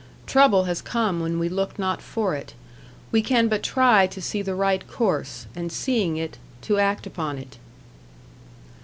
Trouble has come when we looked not for it. We can but try to see the right course, and seeing it, to act upon it."